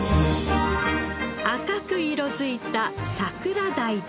赤く色づいた桜鯛です。